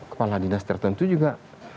kepala dinas tertentu juga